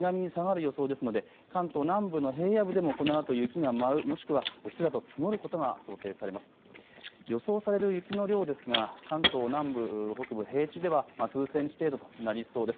予想される雪の量ですが関東南部、北部、平地では数センチ程度となりそうです。